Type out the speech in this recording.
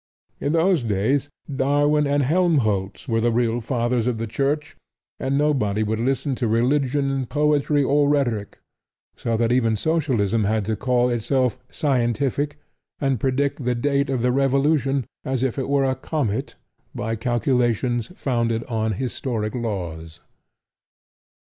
In those days Darwin and Helmholtz were the real fathers of the Church; and nobody would listen to religion, poetry or rhetoric; so that even Socialism had to call itself "scientific," and predict the date of the revolution, as if it were a comet, by calculations founded on "historic laws."